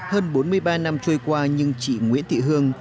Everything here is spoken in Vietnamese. hơn bốn mươi ba năm trôi qua nhưng chị nguyễn thị hương